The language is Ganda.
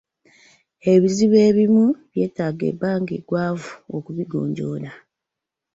Ebizibu ebimu byetaaga ebbanga ggwanvu okubigonjoola.